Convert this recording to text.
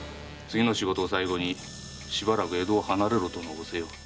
次の仕事を最後にしばらく江戸を離れろとの仰せよ。